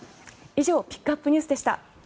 以上ピックアップＮＥＷＳでした。